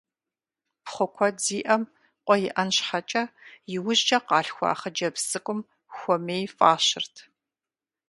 Пхъу куэд зиӀэм, къуэ иӀэн щхьэкӀэ, иужькӀэ къалъхуа хъыджэбз цӀыкӀум «Хуэмей» фӀащырт.